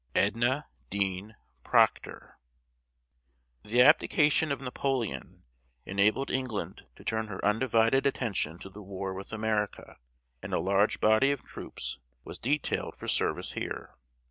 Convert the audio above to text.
EDNA DEAN PROCTOR. The abdication of Napoleon enabled England to turn her undivided attention to the war with America, and a large body of troops was detailed for service here.